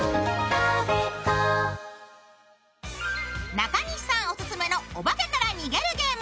中西さんオススメのオバケから逃げるゲーム